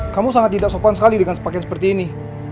kamu sangat tidak sopan sekali dengan sepakin seperti ini